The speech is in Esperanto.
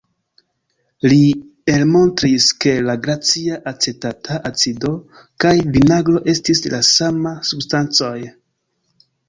Li elmontris ke la glacia acetata acido kaj vinagro estis la sama substancoj.